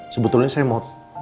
sebetulnya saya mau